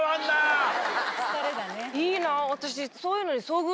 いいな私。